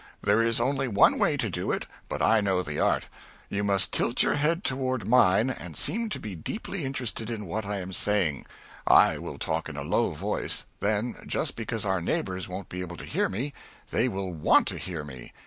There is only one way to do it, but I know the art. You must tilt your head toward mine and seem to be deeply interested in what I am saying; I will talk in a low voice; then, just because our neighbors won't be able to hear me, they will want to hear me.